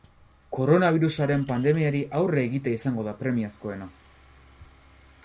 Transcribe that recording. Koronabirusaren pandemiari aurre egitea izango da premiazkoena.